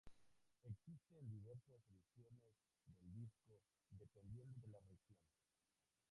Existen diversas ediciones del disco, dependiendo de la región.